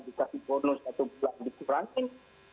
dikasih bonus satu bulan dikurangin